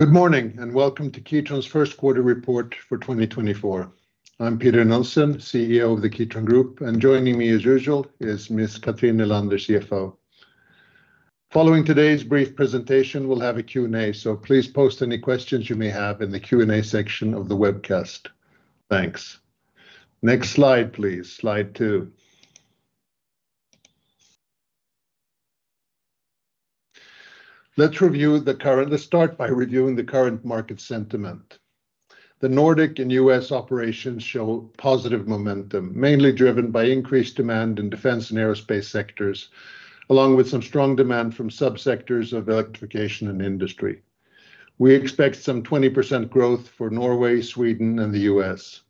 Good morning, and welcome to Kitron's Q1 report for 2024. I'm Peter Nilsson, CEO of the Kitron Group, and joining me, as usual, is Cathrin Nylander, CFO. Following today's brief presentation, we'll have a Q&A, so please post any questions you may have in the Q&A section of the webcast. Thanks. Next slide, please. Slide two. Let's start by reviewing the current market sentiment. The Nordic and US operations show positive momentum, mainly driven by increased demand in defense and aerospace sectors, along with some strong demand from sub-sectors of electrification and industry. We expect some 20% growth for Norway, Sweden, and the US.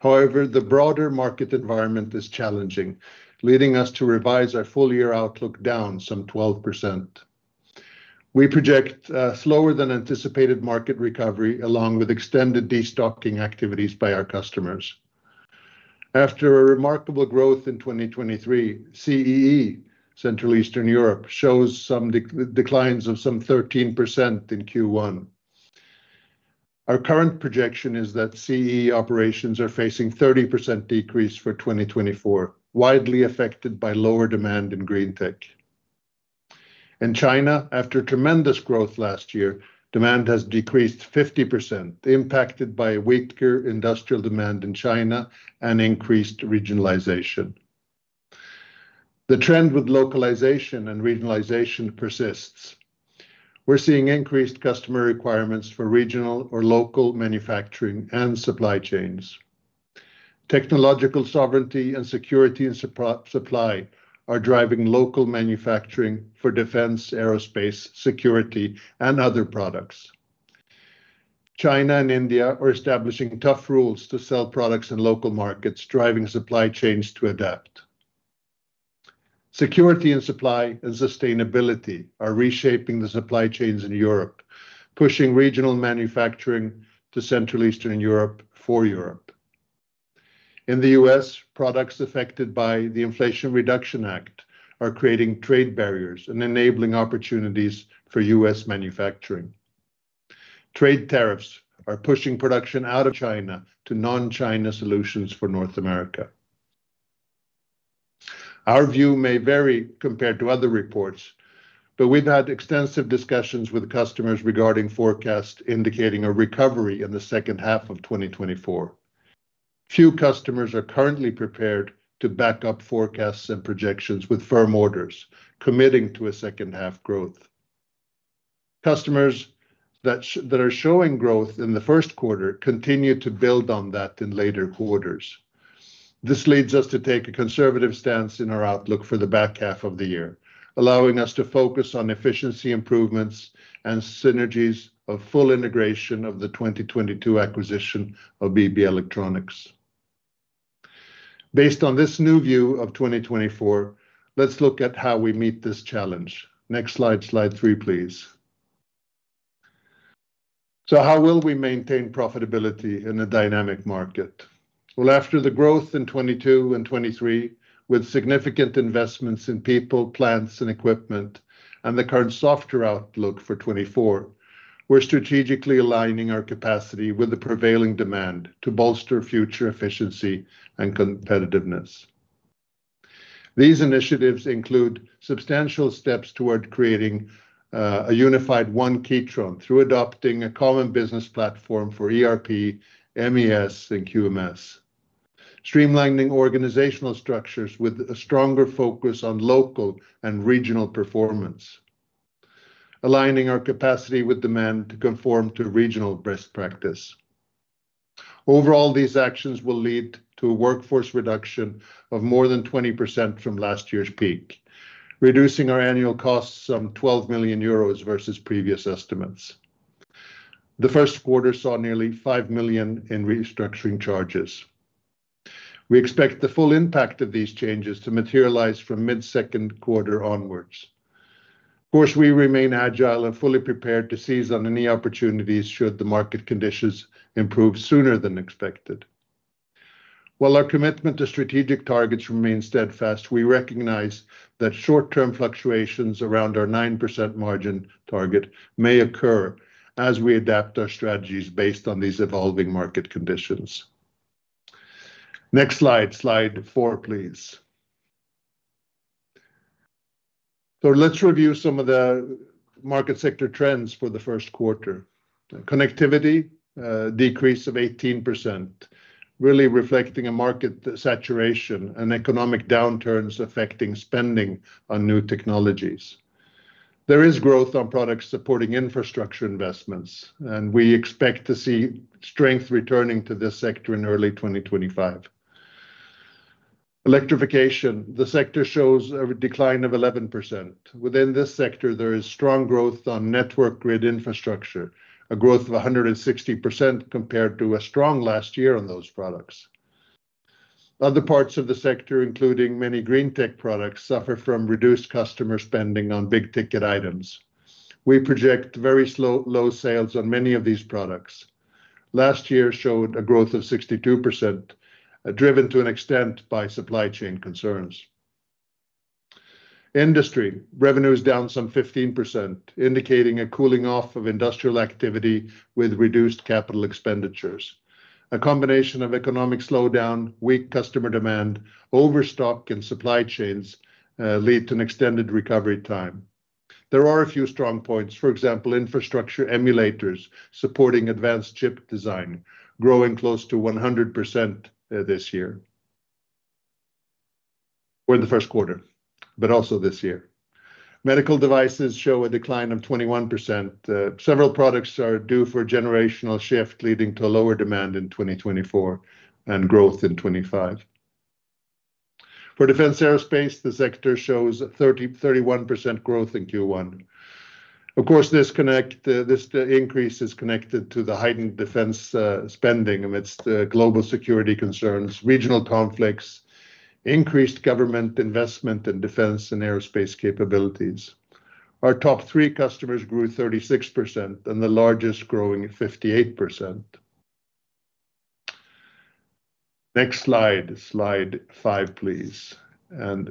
However, the broader market environment is challenging, leading us to revise our full year outlook down some 12%. We project slower than anticipated market recovery, along with extended destocking activities by our customers. After a remarkable growth in 2023, CEE, Central Eastern Europe, shows some declines of some 13% in Q1. Our current projection is that CEE operations are facing 30% decrease for 2024, widely affected by lower demand in green tech. In China, after tremendous growth last year, demand has decreased 50%, impacted by weaker industrial demand in China and increased regionalization. The trend with localization and regionalization persists. We're seeing increased customer requirements for regional or local manufacturing and supply chains. Technological sovereignty and security of supply are driving local manufacturing for defense, aerospace, security, and other products. China and India are establishing tough rules to sell products in local markets, driving supply chains to adapt. Security and supply and sustainability are reshaping the supply chains in Europe, pushing regional manufacturing to Central Eastern Europe for Europe. In the U.S., products affected by the Inflation Reduction Act are creating trade barriers and enabling opportunities for U.S. manufacturing. Trade tariffs are pushing production out of China to non-China solutions for North America. Our view may vary compared to other reports, but we've had extensive discussions with customers regarding forecast, indicating a recovery in the second half of 2024. Few customers are currently prepared to back up forecasts and projections with firm orders, committing to a second half growth. Customers that are showing growth in the Q1 continue to build on that in later quarters. This leads us to take a conservative stance in our outlook for the back half of the year, allowing us to focus on efficiency improvements and synergies of full integration of the 2022 acquisition of BB Electronics. Based on this new view of 2024, let's look at how we meet this challenge. Next slide, slide 3, please. So how will we maintain profitability in a dynamic market? Well, after the growth in 2022 and 2023, with significant investments in people, plants, and equipment, and the current softer outlook for 2024, we're strategically aligning our capacity with the prevailing demand to bolster future efficiency and competitiveness. These initiatives include substantial steps toward creating a unified One Kitron through adopting a common business platform for ERP, MES, and QMS. Streamlining organizational structures with a stronger focus on local and regional performance. Aligning our capacity with demand to conform to regional best practice. Overall, these actions will lead to a workforce reduction of more than 20% from last year's peak, reducing our annual costs some 12 million euros versus previous estimates. The Q1 saw nearly 5 million in restructuring charges. We expect the full impact of these changes to materialize from mid-Q2 onwards. Of course, we remain agile and fully prepared to seize on any opportunities should the market conditions improve sooner than expected. While our commitment to strategic targets remains steadfast, we recognize that short-term fluctuations around our 9% margin target may occur as we adapt our strategies based on these evolving market conditions. Next slide, slide four, please. So let's review some of the market sector trends for the Q1. Connectivity, decrease of 18%, really reflecting a market saturation and economic downturns affecting spending on new technologies. There is growth on products supporting infrastructure investments, and we expect to see strength returning to this sector in early 2025. Electrification, the sector shows a decline of 11%. Within this sector, there is strong growth on network grid infrastructure, a growth of 160% compared to a strong last year on those products. Other parts of the sector, including many green tech products, suffer from reduced customer spending on big-ticket items. We project very slow, low sales on many of these products. Last year showed a growth of 62%, driven to an extent by supply chain concerns. Industry revenue is down some 15%, indicating a cooling off of industrial activity with reduced capital expenditures. A combination of economic slowdown, weak customer demand, overstock in supply chains, lead to an extended recovery time. There are a few strong points. For example, infrastructure emulators supporting advanced chip design, growing close to 100%, this year, or the Q1, but also this year. Medical devices show a decline of 21%. Several products are due for a generational shift, leading to lower demand in 2024 and growth in 2025. For defense aerospace, the sector shows 30-31% growth in Q1. Of course, this increase is connected to the heightened defense spending amidst the global security concerns, regional conflicts, increased government investment in defense and aerospace capabilities. Our top three customers grew 36%, and the largest growing 58%. Next slide, slide five, please.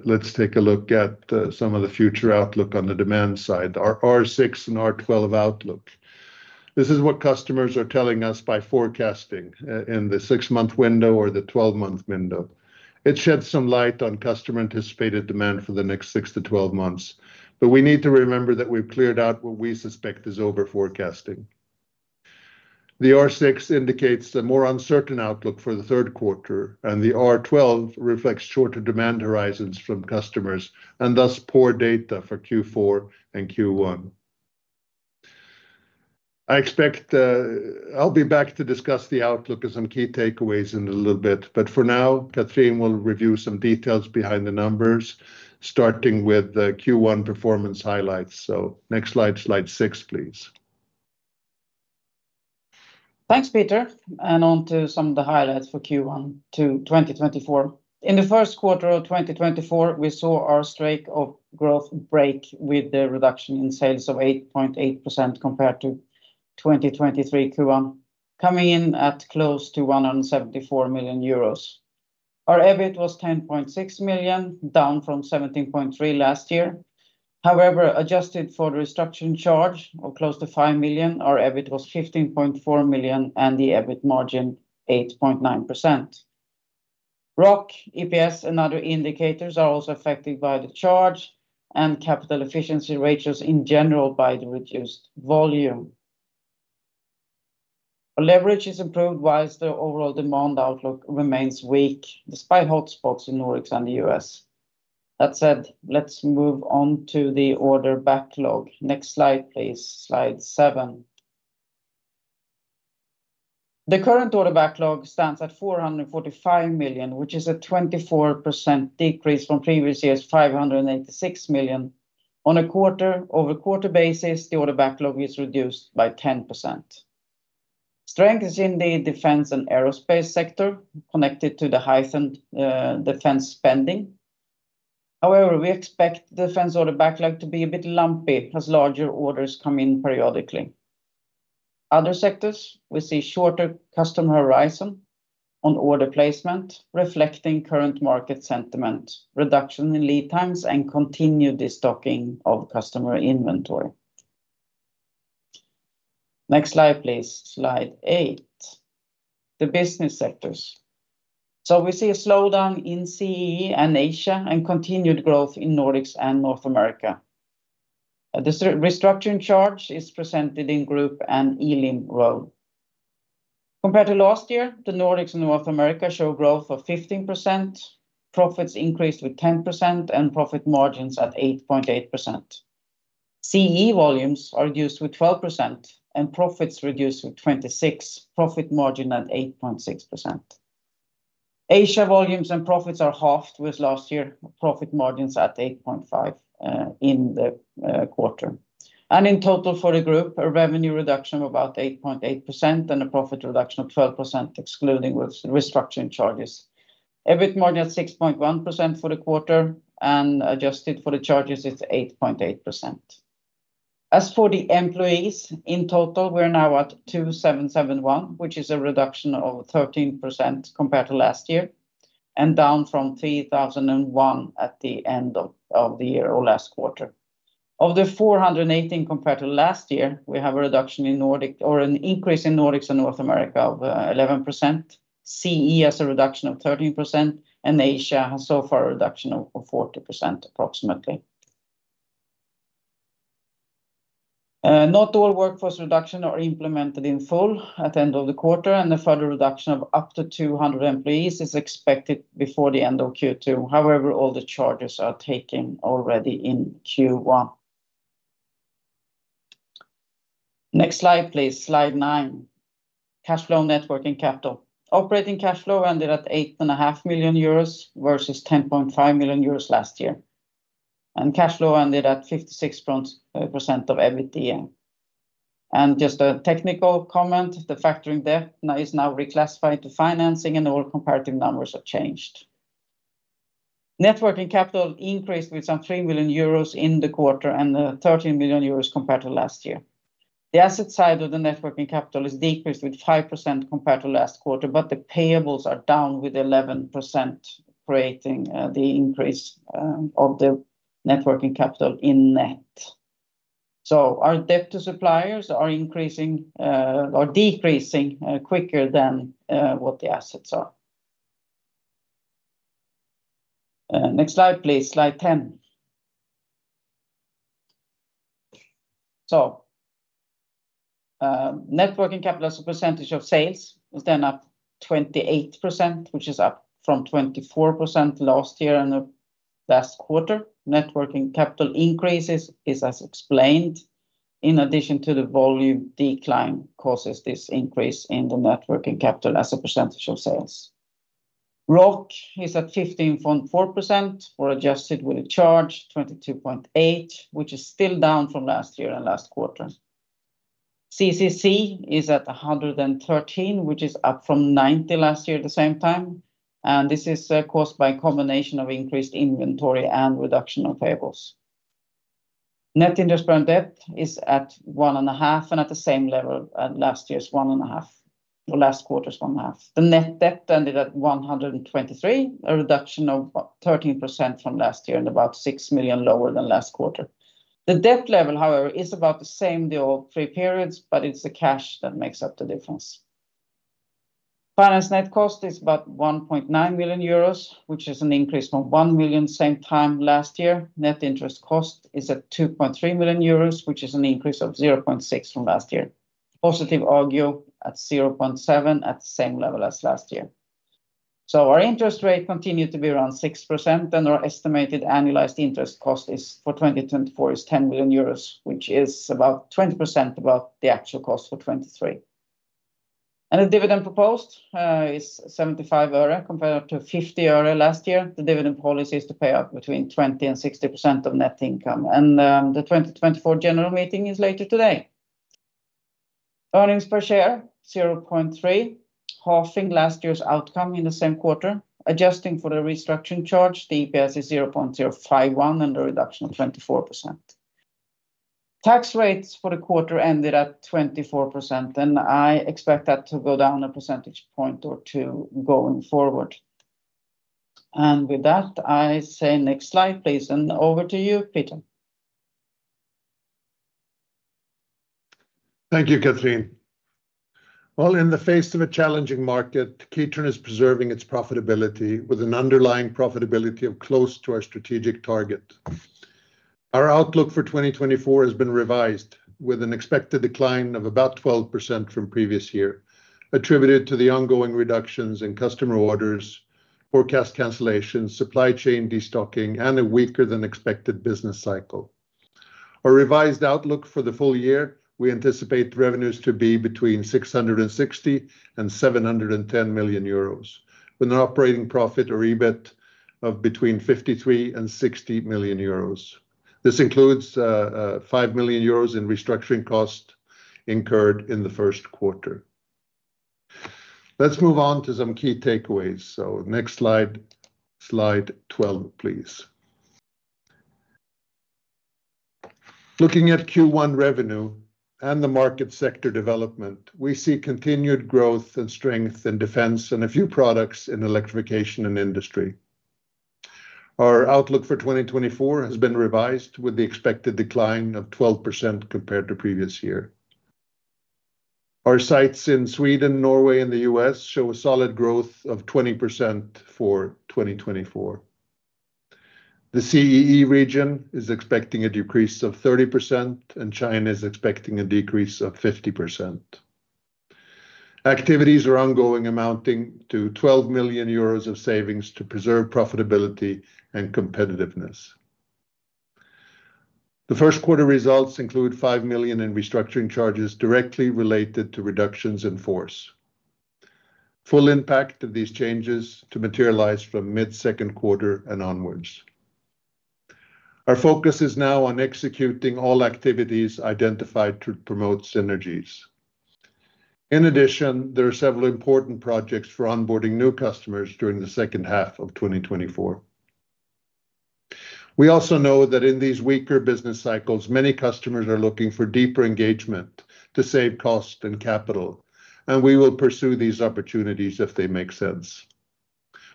Let's take a look at some of the future outlook on the demand side, our R6 and R12 outlook. This is what customers are telling us by forecasting in the 6-month window or the 12-month window. It sheds some light on customer anticipated demand for the next 6 to 12 months, but we need to remember that we've cleared out what we suspect is over-forecasting. The R6 indicates a more uncertain outlook for the Q3, and the R12 reflects shorter demand horizons from customers, and thus, poor data for Q4 and Q1. I expect, I'll be back to discuss the outlook and some key takeaways in a little bit, but for now, Cathrin will review some details behind the numbers, starting with the Q1 performance highlights. Next slide, slide six, please. Thanks, Peter, and on to some of the highlights for Q1 2024. In the Q1 of 2024, we saw our streak of growth break with the reduction in sales of 8.8% compared to 2023 Q1, coming in at close to 174 million euros. Our EBIT was 10.6 million, down from 17.3 million last year. However, adjusted for the restructuring charge of close to 5 million, our EBIT was 15.4 million, and the EBIT margin 8.9%. ROC, EPS, and other indicators are also affected by the charge and capital efficiency ratios in general by the reduced volume. Leverage is improved, while the overall demand outlook remains weak, despite hotspots in Nordics and the U.S. That said, let's move on to the order backlog. Next slide, please, slide 7. The current order backlog stands at 445 million, which is a 24% decrease from previous years, 586 million. On a quarter-over-quarter basis, the order backlog is reduced by 10%. Strength is in the defense and aerospace sector, connected to the heightened defense spending. However, we expect defense order backlog to be a bit lumpy, as larger orders come in periodically. Other sectors, we see shorter customer horizon on order placement, reflecting current market sentiment, reduction in lead times, and continued destocking of customer inventory. Next slide, please, slide 8. The business sectors. So we see a slowdown in CEE and Asia, and continued growth in Nordics and North America. The restructuring charge is presented in group and Elim ROE. Compared to last year, the Nordics and North America show growth of 15%, profits increased with 10%, and profit margins at 8.8%. CE volumes are reduced with 12% and profits reduced with 26, profit margin at 8.6%. Asia volumes and profits are halved with last year, profit margins at 8.5 in the quarter. In total, for the group, a revenue reduction of about 8.8% and a profit reduction of 12%, excluding with restructuring charges. EBIT margin at 6.1% for the quarter, and adjusted for the charges, it's 8.8%. As for the employees, in total, we're now at 2,771, which is a reduction of 13% compared to last year, and down from 3,001 at the end of the year or last quarter. Of the 418 compared to last year, we have a reduction in Nordic or an increase in Nordics and North America of 11%. CE has a reduction of 13%, and Asia has so far a reduction of 40%, approximately. Not all workforce reduction are implemented in full at the end of the quarter, and the further reduction of up to 200 employees is expected before the end of Q2. However, all the charges are taken already in Q1. Next slide, please, slide 9, cash flow, net working capital. Operating cash flow ended at 8.5 million euros, versus 10.5 million euros last year. Cash flow ended at 56% of EBITDA. Just a technical comment, the factoring debt now is now reclassified to financing, and all comparative numbers have changed. Net working capital increased with some 3 million euros in the quarter, and thirteen million euros compared to last year.... The asset side of the net working capital is decreased with 5% compared to last quarter, but the payables are down with 11%, creating the increase of the net working capital in net. So our debt to suppliers are increasing or decreasing quicker than what the assets are. Next slide, please. Slide ten. So, net working capital as a percentage of sales is then up 28%, which is up from 24% last year and the last quarter. Net working capital increases is as explained, in addition to the volume decline, causes this increase in the net working capital as a percentage of sales. ROC is at 15.4%, or adjusted with a charge, 22.8, which is still down from last year and last quarter. CCC is at 113, which is up from 90 last year at the same time, and this is caused by a combination of increased inventory and reduction of payables. Net indebtedness is at 1.5, and at the same level at last year's 1.5, or last quarter's 1.5. The net debt ended at 123 million, a reduction of about 13% from last year, and about 6 million lower than last quarter. The debt level, however, is about the same in all three periods, but it's the cash that makes up the difference. Finance net cost is about 1.9 million euros, which is an increase from 1 million same time last year. Net interest cost is at 2.3 million euros, which is an increase of 0.6 million from last year. Positive ARGU at 0.7 million, at the same level as last year. So our interest rate continued to be around 6%, and our estimated annualized interest cost is, for 2024, is 10 million euros, which is about 20% above the actual cost for 2023. And the dividend proposed is 75 euro, compared to 50 euro last year. The dividend policy is to pay out between 20% and 60% of net income, and the 2024 general meeting is later today. Earnings per share 0.3, halving last year's outcome in the same quarter. Adjusting for the restructuring charge, the EPS is 0.051 and a reduction of 24%. Tax rates for the quarter ended at 24%, and I expect that to go down a percentage point or two going forward. And with that, I say next slide, please, and over to you, Peter. Thank you, Cathrin. Well, in the face of a challenging market, Kitron is preserving its profitability with an underlying profitability of close to our strategic target. Our outlook for 2024 has been revised with an expected decline of about 12% from previous year, attributed to the ongoing reductions in customer orders, forecast cancellations, supply chain destocking, and a weaker-than-expected business cycle. Our revised outlook for the full year, we anticipate revenues to be between 660 million and 710 million euros, with an operating profit, or EBIT, of between 53 million and 60 million euros. This includes five million euros in restructuring costs incurred in the Q1. Let's move on to some key takeaways, so next slide, Slide 12, please. Looking at Q1 revenue and the market sector development, we see continued growth and strength in defense and a few products in electrification and industry. Our outlook for 2024 has been revised, with the expected decline of 12% compared to previous year. Our sites in Sweden, Norway, and the U.S. show a solid growth of 20% for 2024. The CEE region is expecting a decrease of 30%, and China is expecting a decrease of 50%. Activities are ongoing, amounting to 12 million euros of savings to preserve profitability and competitiveness. The Q1 results include 5 million in restructuring charges, directly related to reductions in force. Full impact of these changes to materialize from mid-Q2 and onwards. Our focus is now on executing all activities identified to promote synergies. In addition, there are several important projects for onboarding new customers during the second half of 2024. We also know that in these weaker business cycles, many customers are looking for deeper engagement to save cost and capital, and we will pursue these opportunities if they make sense.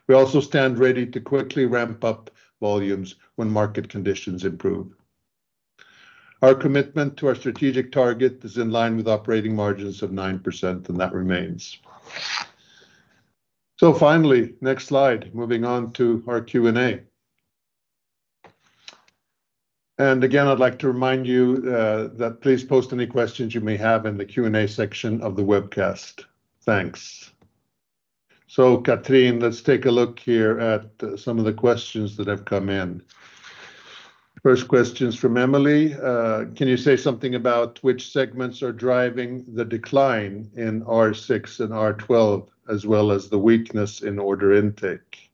We also stand ready to quickly ramp up volumes when market conditions improve. Our commitment to our strategic target is in line with operating margins of 9%, and that remains. Finally, next slide. Moving on to our Q&A. Again, I'd like to remind you that please post any questions you may have in the Q&A section of the webcast. Thanks. So, Cathrin, let's take a look here at some of the questions that have come in. First question's from Emily. Can you say something about which segments are driving the decline in R6 and R12, as well as the weakness in order intake?"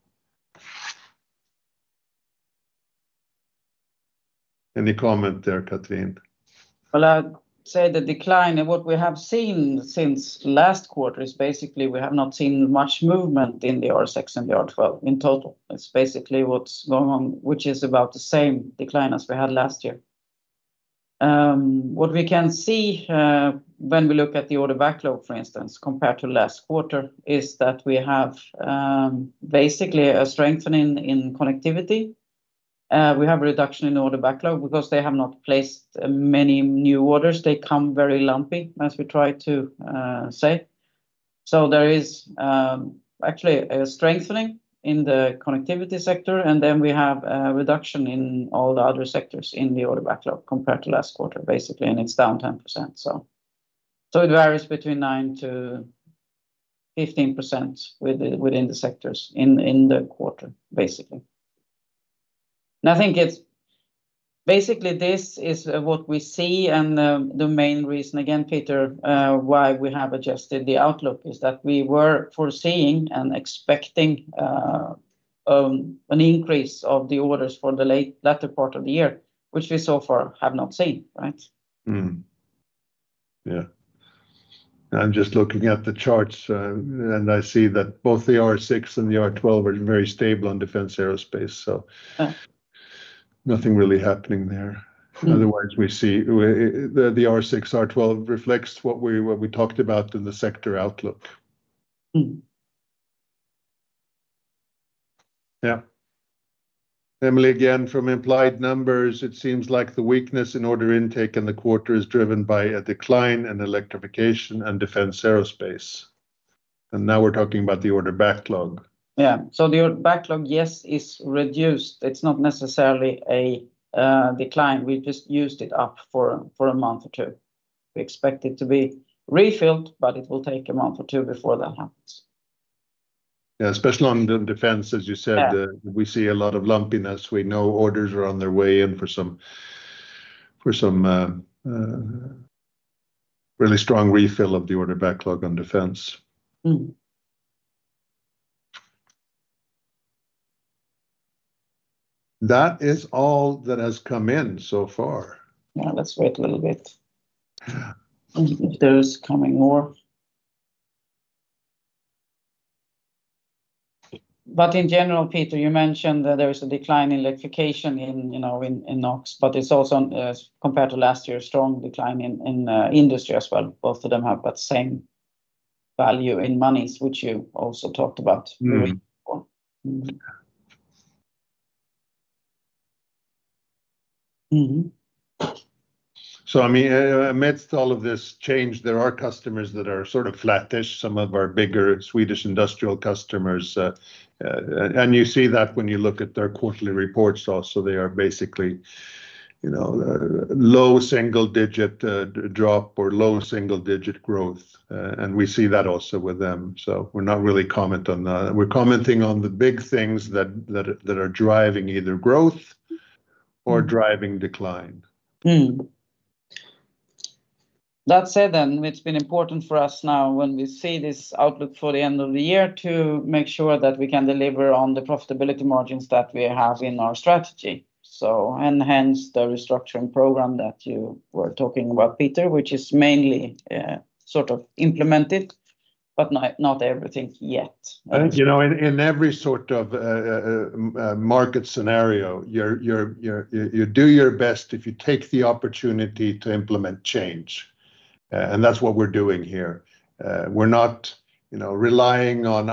Any comment there, Cathrin? Well, I'd say the decline, and what we have seen since last quarter, is basically we have not seen much movement in the R6 and the R12 in total. That's basically what's going on, which is about the same decline as we had last year. What we can see, when we look at the order backlog, for instance, compared to last quarter, is that we have basically a strengthening in connectivity. We have a reduction in order backlog because they have not placed many new orders. They come very lumpy, as we try to say. So there is actually a strengthening in the connectivity sector, and then we have a reduction in all the other sectors in the order backlog compared to last quarter, basically, and it's down 10%, so. So it varies between 9%-15% within the sectors in the quarter, basically. I think it's basically this is what we see, and the main reason, again, Peter, why we have adjusted the outlook is that we were foreseeing and expecting an increase of the orders for the latter part of the year, which we so far have not seen, right? Mm. Yeah. I'm just looking at the charts, and I see that both the R6 and the R12 are very stable on defense aerospace, so- Yeah... nothing really happening there. Mm. Otherwise, we see the R6, R12 reflects what we talked about in the sector outlook. Mm. Yeah. Emily, again, from implied numbers, it seems like the weakness in order intake in the quarter is driven by a decline in electrification and defense aerospace, and now we're talking about the order backlog. Yeah, so the order backlog, yes, is reduced. It's not necessarily a decline. We've just used it up for a month or two. We expect it to be refilled, but it will take a month or two before that happens. Yeah, especially on the defense, as you said- Yeah... we see a lot of lumpiness. We know orders are on their way in for some, for some, really strong refill of the order backlog on defense. Mm. That is all that has come in so far. Yeah, let's wait a little bit. Yeah. If there is coming more. But in general, Peter, you mentioned that there is a decline in electrification in, you know, in Nordics, but it's also, compared to last year, a strong decline in industry as well. Both of them have that same value in monies, which you also talked about- Mm Earlier on. Mm. So I mean, amidst all of this change, there are customers that are sort of flattish, some of our bigger Swedish industrial customers. And you see that when you look at their quarterly reports also. They are basically, you know, low single-digit drop or low single-digit growth. And we see that also with them, so we're not really comment on that. We're commenting on the big things that, that, that are driving either growth or driving decline. That said, then, it's been important for us now, when we see this outlook for the end of the year, to make sure that we can deliver on the profitability margins that we have in our strategy. So and hence, the restructuring program that you were talking about, Peter, which is mainly, sort of implemented, but not everything yet. You know, in every sort of market scenario, you do your best if you take the opportunity to implement change, and that's what we're doing here. We're not, you know, relying on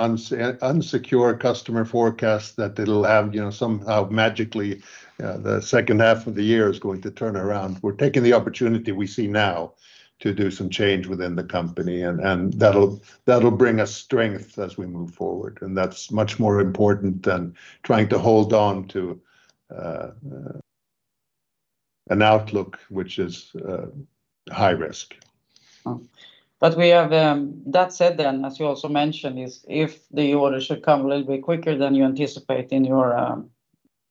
insecure customer forecasts that it'll have, you know, somehow magically the second half of the year is going to turn around. We're taking the opportunity we see now to do some change within the company, and that'll bring us strength as we move forward, and that's much more important than trying to hold on to an outlook which is high risk. But we have. That said, then, as you also mentioned, is if the order should come a little bit quicker than you anticipate in your...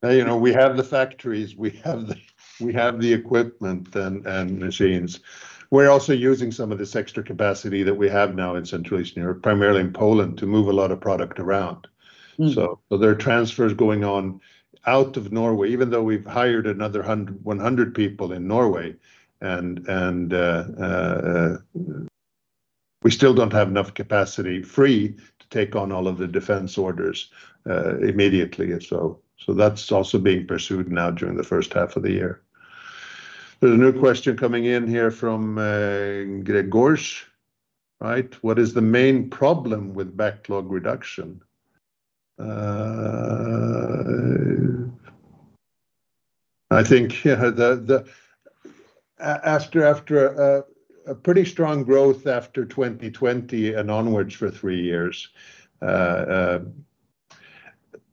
You know, we have the factories. We have the equipment and machines. We're also using some of this extra capacity that we have now in Central Eastern Europe, primarily in Poland, to move a lot of product around. Mm. So there are transfers going on out of Norway, even though we've hired another 100 people in Norway, and we still don't have enough capacity free to take on all of the defense orders immediately. And so that's also being pursued now during the first half of the year. There's a new question coming in here from Gregors, right? What is the main problem with backlog reduction? I think, yeah, the after a pretty strong growth after 2020 and onwards for three years, and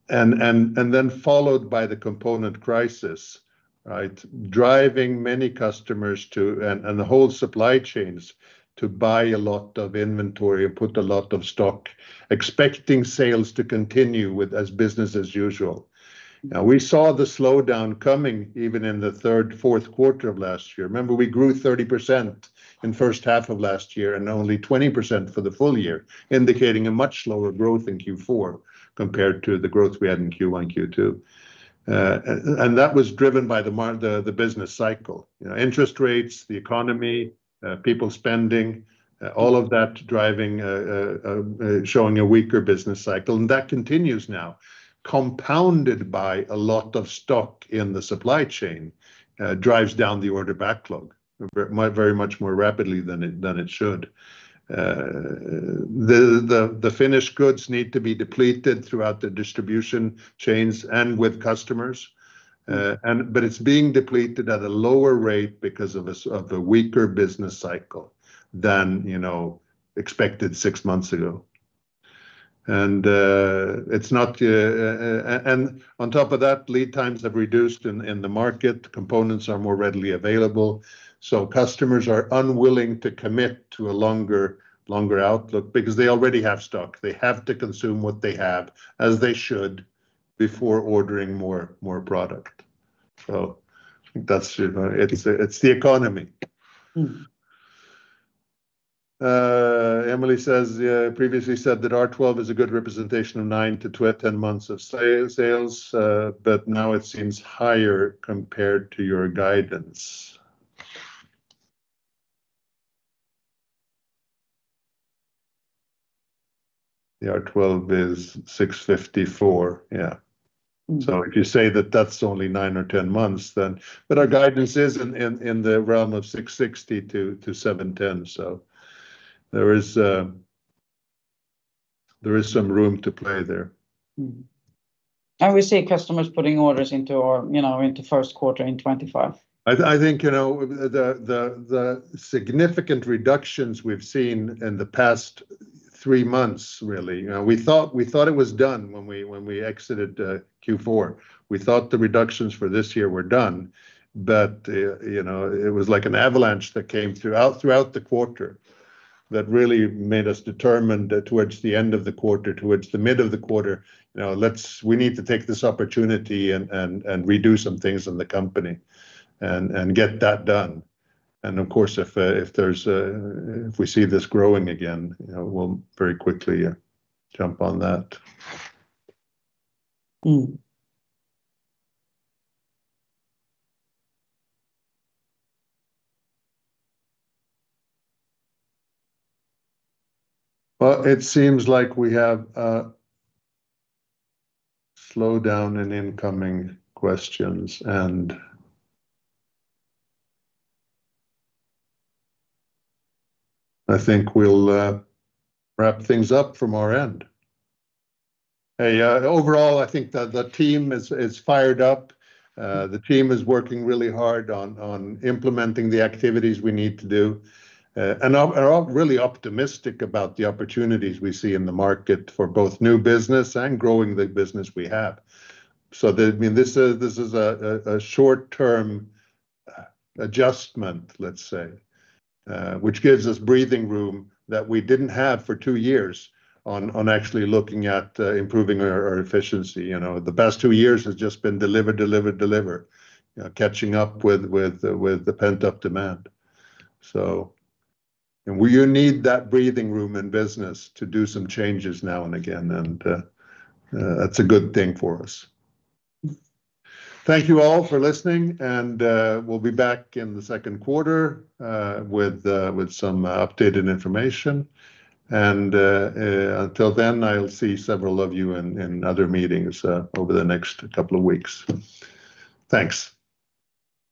then followed by the component crisis, right, driving many customers to, and whole supply chains, to buy a lot of inventory and put a lot of stock, expecting sales to continue with as business as usual. Now, we saw the slowdown coming, even in the third, Q4 of last year. Remember, we grew 30% in first half of last year, and only 20% for the full year, indicating a much slower growth in Q4 compared to the growth we had in Q1, Q2. And that was driven by the the business cycle. You know, interest rates, the economy, people spending, all of that driving, showing a weaker business cycle, and that continues now. Compounded by a lot of stock in the supply chain, drives down the order backlog very much more rapidly than it should. The finished goods need to be depleted throughout the distribution chains and with customers, and but it's being depleted at a lower rate because of the weaker business cycle than, you know, expected six months ago. And on top of that, lead times have reduced in the market, components are more readily available, so customers are unwilling to commit to a longer, longer outlook because they already have stock. They have to consume what they have, as they should, before ordering more, more product. So that's, you know, it's, it's the economy. Mm. Emily says, "Yeah, previously said that R12 is a good representation of nine to ten months of sales, but now it seems higher compared to your guidance." The R12 is 654, yeah. Mm. So if you say that that's only 9 or 10 months, then. But our guidance is in the realm of 660-710, so there is some room to play there. Mm. We see customers putting orders into our, you know, into Q1 in 2025. I think, you know, the significant reductions we've seen in the past three months, really, you know, we thought it was done when we exited Q4. We thought the reductions for this year were done. But, you know, it was like an avalanche that came throughout the quarter, that really made us determined towards the end of the quarter, towards the mid of the quarter, you know, let's—we need to take this opportunity and redo some things in the company and get that done. And of course, if there's, if we see this growing again, you know, we'll very quickly jump on that. Mm. Well, it seems like we have a slowdown in incoming questions, and I think we'll wrap things up from our end. Hey, overall, I think the team is fired up. The team is working really hard on implementing the activities we need to do, and are really optimistic about the opportunities we see in the market for both new business and growing the business we have. So, I mean, this is a short-term adjustment, let's say, which gives us breathing room that we didn't have for two years on actually looking at improving our efficiency. You know, the past two years has just been deliver, deliver, deliver. You know, catching up with the pent-up demand, so. And we need that breathing room in business to do some changes now and again, and, that's a good thing for us. Thank you all for listening, and, we'll be back in the Q2, with, with some updated information. And, until then, I'll see several of you in, in other meetings, over the next couple of weeks. Thanks!